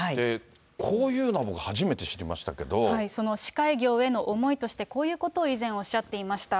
こういうの、司会業への思いとして、こういうことを以前、おっしゃっていました。